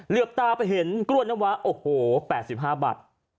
เหลือบตาไปเห็นกล้วยน้ำว้าโอ้โห๘๕บาท